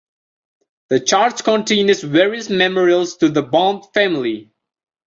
The church contains various memorials to the Bond family.